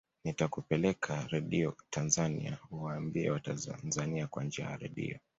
nitakupeleka radio tanzania uwaambie watanzania kwa njia ya radio